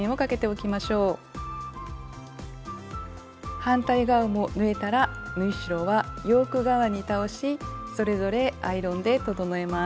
反対側も縫えたら縫い代はヨーク側に倒しそれぞれアイロンで整えます。